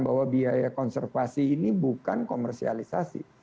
bahwa biaya konservasi ini bukan komersialisasi